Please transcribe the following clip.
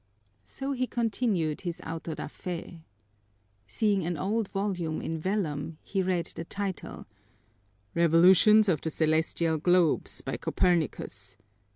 So he continued his auto da fé. Seeing an old volume in vellum, he read the title, Revolutions of the Celestial Globes, by Copernicus.